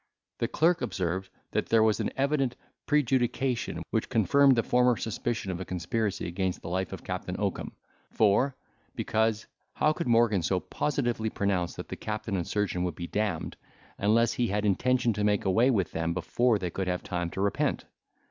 The clerk observed, that there was an evident prejudication, which confirmed the former suspicion of a conspiracy against the life of Captain Oakum; for, because, how could Morgan so positively pronounce that the captain and surgeon would d—n'd, unless he had intention to make away with them before they could have time to repent?